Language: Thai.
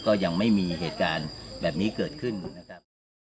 ก็ยังไม่มีเหตุการณ์แบบนี้เกิดขึ้นนะครับ